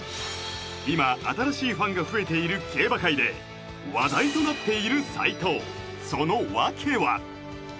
今新しいファンが増えている競馬界で話題となっている斉藤その訳は？